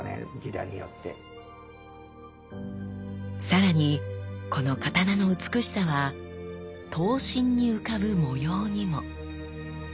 さらにこの刀の美しさは刀身に浮かぶ模様にも。